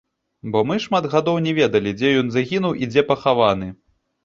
Бо мы шмат гадоў не ведалі, дзе ён загінуў і дзе пахаваны.